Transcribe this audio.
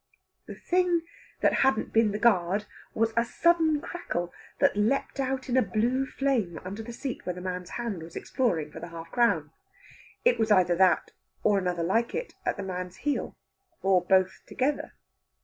The thing that hadn't been the guard was a sudden crackle that leaped out in a blue flame under the seat where the man's hand was exploring for the half crown. It was either that, or another like it, at the man's heel. Or both together.